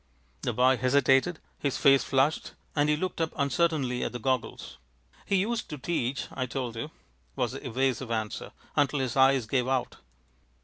The boy hesitated. His face flushed, and he looked up uncertainly at the goggles. "He used to teach, I told you," was the evasive answer, "until his eyes gave out."